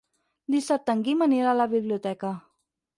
Dissabte en Guim anirà a la biblioteca.